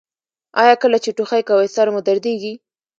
ایا کله چې ټوخی کوئ سر مو دردیږي؟